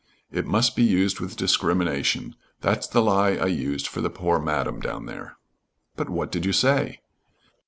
It must be used with discrimination. That's the lie I used for the poor Madam down there." "But what did you say?"